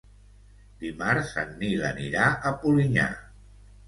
Dimarts en Nil anirà a Polinyà.